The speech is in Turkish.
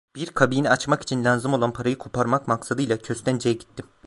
Bir kabine açmak için lazım olan parayı koparmak maksadıyla Köstence’ye gittim.